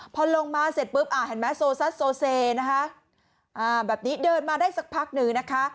พอลงมาเสร็จปุ๊บแบบนี้เดินมาได้สักพักหนึ่งนะคะ